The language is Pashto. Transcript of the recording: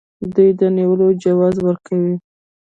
دوی د نیولو جواز ورکوي.